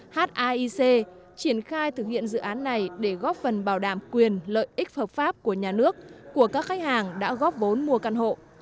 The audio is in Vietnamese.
hic triển khai thực hiện dự án này để góp phần bảo đảm quyền lợi ích hợp pháp của nhà nước của các khách hàng đã góp vốn mua căn hộ